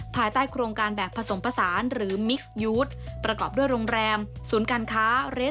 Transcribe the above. ภายใต้โครงการแบบผสมผสานหรือมิกซ์ยูทประกอบด้วยโรงแรมศูนย์การค้า